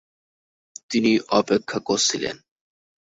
তিনি অপেক্ষা কছিলেন।